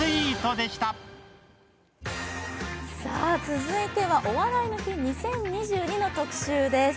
続いては「お笑いの日２０２２」の特集です。